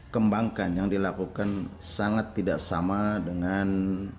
kembangkan yang dilakukan sangat tidak sama dengan